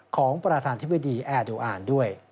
ของประธานธิบดีแอร์โดอ่านด้วย